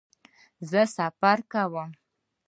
زه سفر کوم